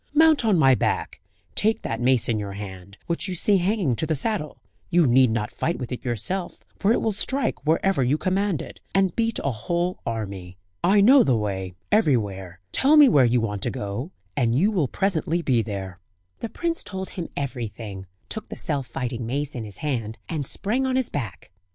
Mount on my back, take that mace in your hand, which you see hanging to the saddle; you need not fight with it yourself, for it will strike wherever you command it, and beat a whole army. I know the way everywhere; tell me where you want to go, and you will presently be there." The prince told him everything; took the self fighting mace in his hand, and sprang on his back.